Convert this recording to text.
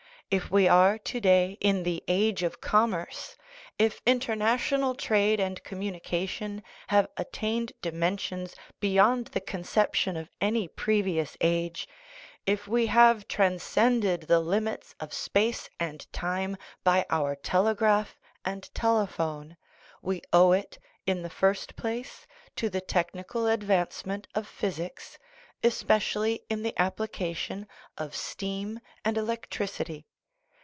If we are to day in the " age of commerce," if international trade and communication have attained dimensions beyond the conception of any previous age, if we have tran scended the limits of space and time by our telegraph and telephone, we owe it, in the first place, to the tech nical advancement of physics, especially in the appli cation of steam and electricity.